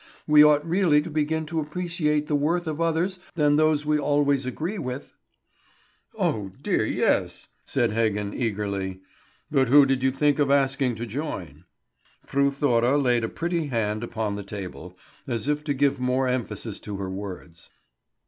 We ought really to begin to appreciate the worth of others than those we always agree with." "Oh dear yes!" said Heggen eagerly. "But who did you think of asking to join?" Fru Thora laid her pretty hand upon the table, as if to give more emphasis to her words.